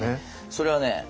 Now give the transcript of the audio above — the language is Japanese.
それはね